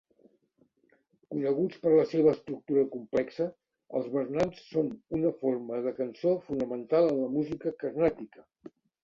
Coneguts per la seva estructura complexa, els varnams són una forma de cançó fonamental en la música carnàtica.